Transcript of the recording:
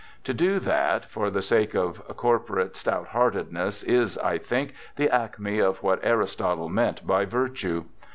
To do that for the sake of corporate stout heartedness is, I think, the acme of what Aristotle meant by virtue.